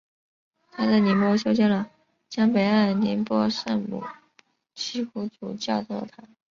他在宁波修建了江北岸宁波圣母七苦主教座堂。